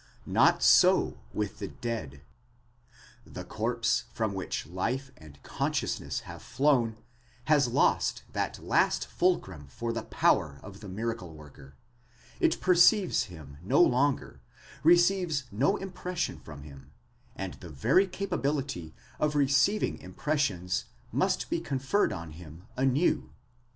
Not so with the dead. The corpse from which life and consciousness have flown has lost the last fulcrum for the power of the miracle worker; it perceives him no longer—receives no impression from him ; for the very capability of receiving impressions must be conferred on him anew.